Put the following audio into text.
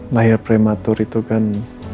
lahir prematur itu kan